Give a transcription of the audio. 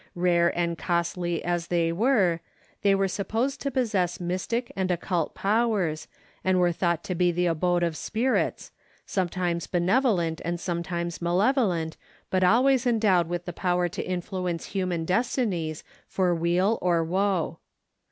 Rare and costly as they were, they were supposed to possess mystic and occult powers and were thought to be the abode of spirits, sometimes benevolent and sometimes malevolent, but always endowed with the power to influence human destinies for weal or woe.